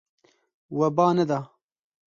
We ba neda.